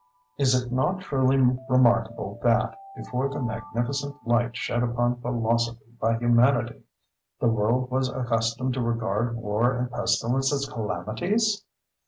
Is it not truly remarkable that, before the magnificent light shed upon philosophy by Humanity, the world was accustomed to regard War and Pestilence as calamities?